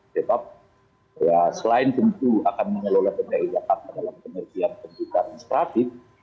sebab ya selain tentu akan mengelola dki jakarta dalam pengertian pendidikan administratif